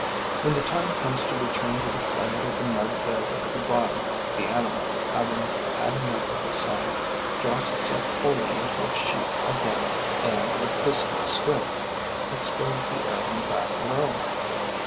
When the time comes to return to the quiet of the mud bed at the bottom, the animal, having had enough of the sun, draws itself wholly into its sheath again and, with a piston stroke, expels the air from the back room.